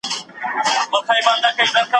زما د مورکۍ د الاهو ماته آشنا کلی دی